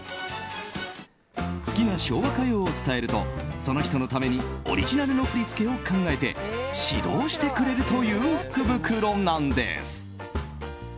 好きな昭和歌謡を伝えるとその人のためにオリジナルの振り付けを考えて指導してくれるという福袋なんです。